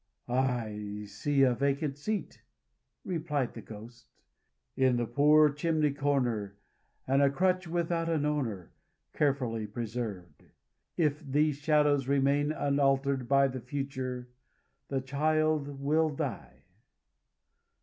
"I see a vacant seat," replied the Ghost, "in the poor chimney corner, and a crutch without an owner, carefully preserved. If these shadows remain unaltered by the Future the child will die."